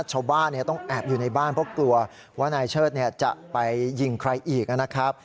ชาวบ้านต้องแอบอยู่ในบ้านเพราะกลัวว่านายเชิดจะไปยิงใครอีกนะครับ